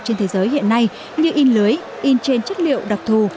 trên thế giới hiện nay như in lưới in trên chất liệu đặc thù